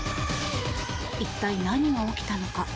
一体、何が起きたのか。